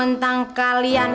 bener banget bang